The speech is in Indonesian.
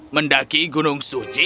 mendaki gunung suci